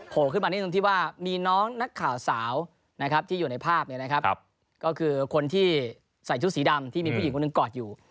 ผู้สาวที่อยู่ในภาพก็คือคนที่ใส่ชุดสีดำที่มีผู้หญิงคนหนึ่งกอดอยู่